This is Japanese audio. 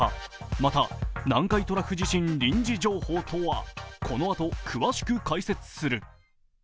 また、南海トラフ地震臨時情報とはこのあと詳しく解説する。